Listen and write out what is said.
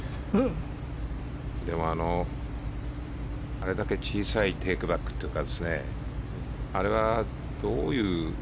でもあれだけ小さいテイクバックというかあれはどういう。